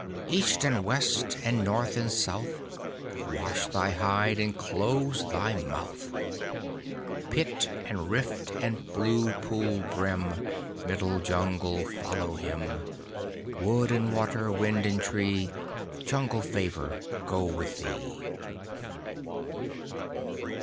East and West and North and South, Wash thy hide and close thy mouth. (Pit and rift and blue pool brim, Middle Jungle follow him!) _Wood and Water, Wind and Tree, Jungle Favor go with thee!